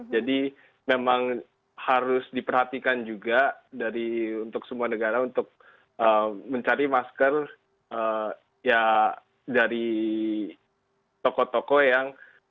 jadi memang harus diperhatikan juga dari untuk semua negara untuk mencari masker ya dari toko toko yang